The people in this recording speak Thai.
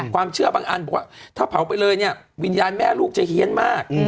บางอันบอกว่าถ้าเผาไปเลยเนี่ยวิญญาณแม่ลูกจะเฮียนมาก